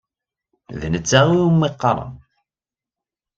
D netta iwumi qqaren.